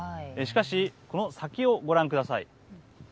しかし、この先をご覧ください。